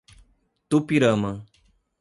Tupirama